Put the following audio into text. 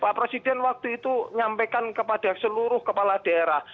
pak presiden waktu itu nyampaikan kepada seluruh kepala daerah